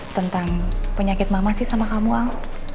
tentang penyakit mama sih sama kamu al